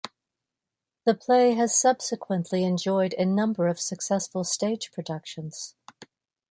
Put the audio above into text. The play has subsequently enjoyed a number of successful stage productions.